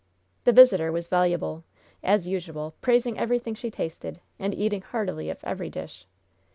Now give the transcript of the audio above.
The visitor was voluble, as usual, praising everything she tasted, and eating heartily of every dish.